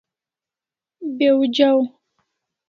Be'w jaw